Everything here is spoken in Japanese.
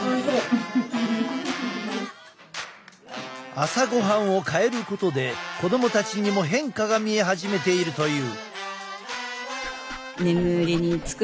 朝ごはんを変えることで子供たちにも変化が見え始めているという。